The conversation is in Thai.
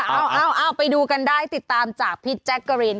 เอาไปดูกันได้ติดตามจากพี่แจ๊กกะรีน